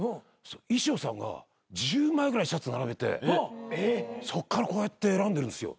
衣装さんが１０枚ぐらいシャツ並べてそっからこうやって選んでるんすよ。